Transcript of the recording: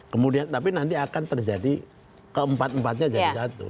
kemudian tapi nanti akan terjadi keempat empatnya jadi satu